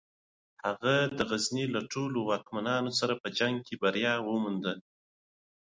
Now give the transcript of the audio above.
هغه د غزني له ټولو واکمنانو سره په جنګ کې بریا ومونده.